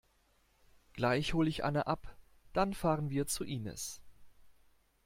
Gleich hol ich Anne ab. Dann fahren wir zu Inis.